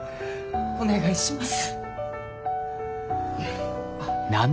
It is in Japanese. お願いします。